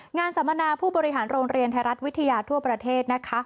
สัมมนาผู้บริหารโรงเรียนไทยรัฐวิทยาทั่วประเทศนะคะ